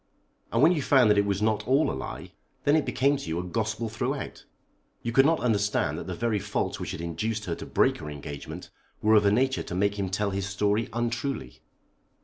"And when you found that it was not all a lie, then it became to you a gospel throughout. You could not understand that the very faults which had induced her to break her engagement were of a nature to make him tell his story untruly."